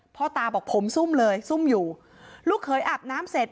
พ่อตาบอกผมซุ่มเลยซุ่มอยู่ลูกเขยอาบน้ำเสร็จ